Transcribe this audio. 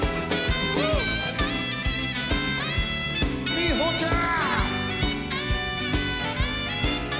みほちゃん。